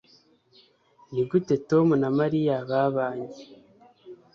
Nigute Tom na Mariya babanye